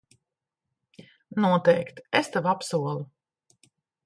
Noteikti, es tev apsolu.